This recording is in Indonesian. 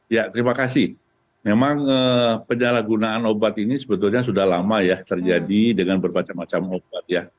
ya terima kasih memang penyalahgunaan obat ini sebetulnya sudah lama ya terjadi dengan bermacam macam obat ya